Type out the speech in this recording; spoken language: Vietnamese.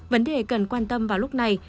vấn đề cần quan tâm vào lúc này